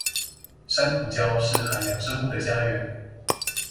珊瑚礁是海洋生物的家園